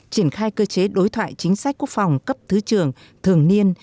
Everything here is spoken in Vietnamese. triển khai cơ chế đối thoại chính sách quốc phòng cấp thứ trưởng thường niên